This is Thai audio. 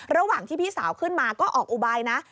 ระหว่างที่พี่สาวขึ้นมาก็ออกอุบายนะ